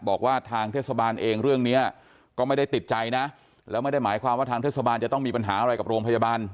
บอกว่าทางเทศบาลเองเรื่องนี้ก็ไม่ได้ติดใจนะแล้วไม่ได้หมายความว่าทางเทศบาลจะต้องมีปัญหาอะไรกับโรงพยาบาล